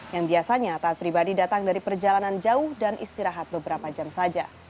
yang biasanya taat pribadi datang dari perjalanan jauh dan istirahat beberapa jam saja